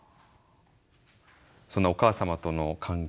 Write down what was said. そのお母様との関係